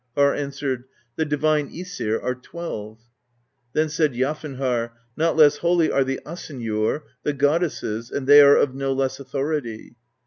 Harr answered: "The divine iEsir are twelve." Then said Jafnharr: "Not less holy are the Asynjur, the goddesses, and they are of no less authority."